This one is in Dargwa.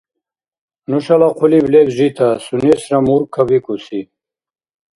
Нушала хъулиб леб жита, сунесра Мурка бикӀуси.